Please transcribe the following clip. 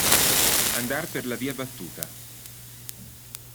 Andar per la via battuta.